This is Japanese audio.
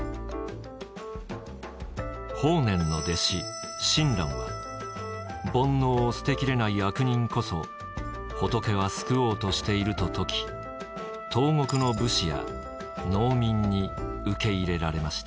法然の弟子親鸞は「煩悩を捨て切れない悪人こそ仏は救おうとしている」と説き東国の武士や農民に受け入れられました。